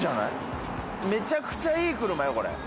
めちゃくちゃいい車よ。